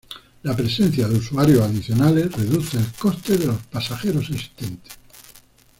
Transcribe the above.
La presencia de usuarios adicionales reduce el coste de los pasajeros existentes.